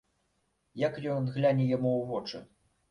Як ён гляне яму ў вочы?